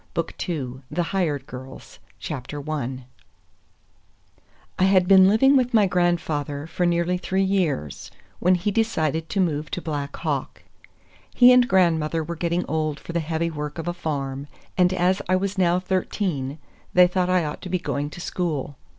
BOOK II—THE HIRED GIRLS I I HAD been living with my grandfather for nearly three years when he decided to move to Black Hawk. He and grandmother were getting old for the heavy work of a farm, and as I was now thirteen they thought I ought to be going to school.